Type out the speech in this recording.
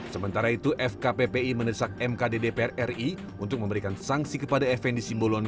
sementara itu fkppi menesak mkd dpr ri untuk memberikan sanksi kepada fnd simbolon